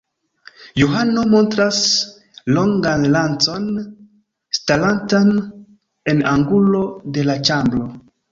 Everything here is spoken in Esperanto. Johano montras longan lancon starantan en angulo de la ĉambro.